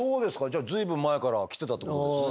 じゃあ随分前から来てたってことですね。